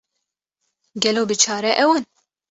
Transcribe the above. Gelo biçare ew in?